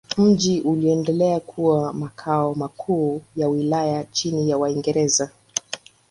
Mji uliendelea kuwa makao makuu ya wilaya chini ya Waingereza.